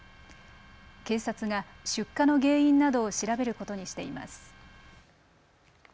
警察が出火の原因などを調べることにしています。